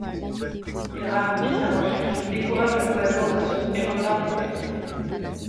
Ils ralentissent la recherche, découragent la collaboration et retardent les percées.